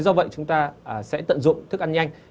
do vậy chúng ta sẽ tận dụng thức ăn nhanh